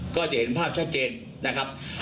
ก็จะเห็นภาพชัดเจนนะครับ